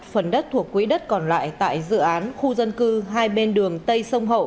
phần đất thuộc quỹ đất còn lại tại dự án khu dân cư hai bên đường tây sông hậu